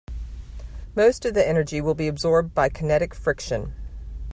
Most of the energy will be absorbed by kinetic friction.